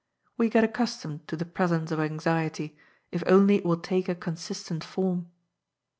We get accustomed to the presence of anxiety, if only it will take a consistent form.